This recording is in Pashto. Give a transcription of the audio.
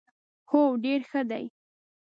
هو، ډیر ښه دي